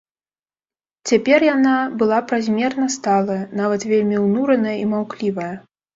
Цяпер яна была празмерна сталая, нават вельмі ўнураная і маўклівая.